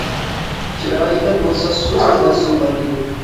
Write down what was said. چىرايىدا بولسا سۇس تەبەسسۇم بار ئىدى.